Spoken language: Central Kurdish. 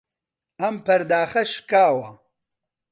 ئەم پەرداخە شکاوە.